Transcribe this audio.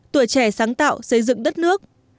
tuổi trẻ sáng tạo xây dựng đất nước